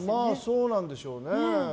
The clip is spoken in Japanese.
そうなんでしょうね。